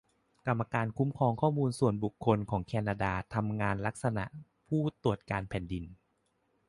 กรรมการคุ้มครองข้อมูลส่วนบุคคลของแคนาดาทำงานลักษณะผู้ตรวจการแผ่นดิน